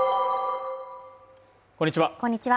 こんにちは。